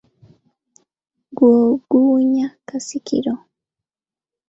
Gwo guwunya kasiikiro.